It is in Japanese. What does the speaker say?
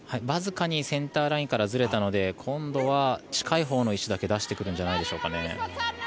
わずかにセンターラインからずれたので今度は近いほうの石だけ出してくるんじゃないでしょうか。